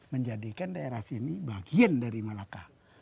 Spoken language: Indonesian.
menjadikan daerah sini bagian dari malaka